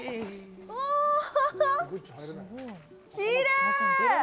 お、きれい！